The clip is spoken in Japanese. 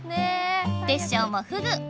テッショウもフグ。